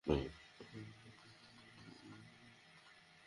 গতকাল সকালে শিব শংকর টেম্পোতে করে রাজপাশা থেকে ধাওয়া বাজারে যাচ্ছিলেন।